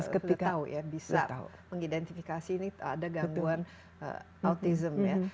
sudah tahu ya bisa mengidentifikasi ini ada gangguan autism